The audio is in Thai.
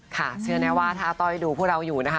เชื่อแน่ว่าถ้าอาต้อยดูพวกเราอยู่นะคะ